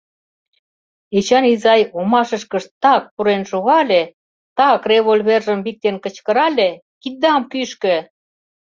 Эчан изай омашышкышт так пурен шогале, так револьвержым виктен кычкырале: «Киддам кӱшкӧ!